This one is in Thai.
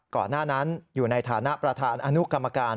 ก่อนหน้านั้นอยู่ในฐานะประธานอนุกรรมการ